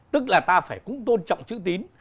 tức là ta phải cũng tôn trọng chữ tín